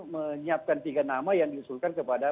menyiapkan tiga nama yang diusulkan kepada